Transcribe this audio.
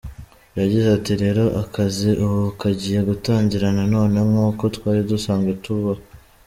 Yagize ati “Rero akazi ubu kagiye gutangira nanone nk’uko twari dusanzwe tubaho.